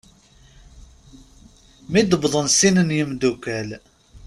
Mi d-wwḍen sin n yimddukal.